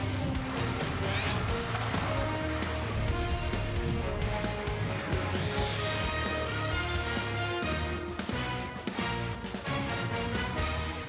โปรดติดตามตอนต่อไป